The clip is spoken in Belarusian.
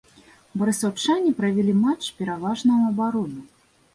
Барысаўчане правялі матч пераважна ў абароне.